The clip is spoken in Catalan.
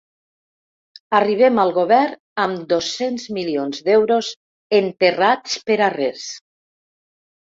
Arribem al govern amb dos-cents milions d’euros enterrats per a res.